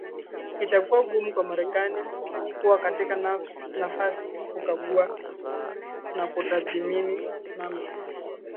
itakuwa vigumu kwa marekani kuwa katika nafasi kukagua na kutathmini namna